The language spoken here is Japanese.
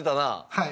はい。